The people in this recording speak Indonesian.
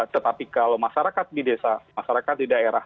tetapi kalau masyarakat di desa masyarakat di daerah